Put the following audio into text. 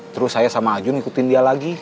terus saya sama aju ngikutin dia lagi